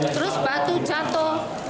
terus batu jatuh